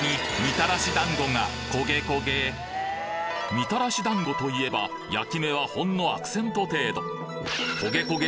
みたらし団子といえば焼き目はほんのアクセント程度焦げ焦げ